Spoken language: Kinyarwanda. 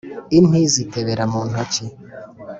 Inti zitebera mu ntoki;